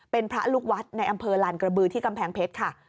เป็นพระลูกวัดในอำเภอลานกระบือที่กำแพงเพชรค่ะ